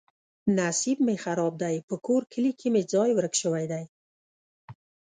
نصیب مې خراب دی. په کور کلي کې مې ځای ورک شوی دی.